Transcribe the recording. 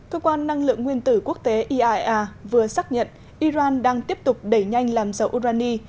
cơ quan năng lượng nguyên tử quốc tế iaea vừa xác nhận iran đang tiếp tục đẩy nhanh làm dầu urani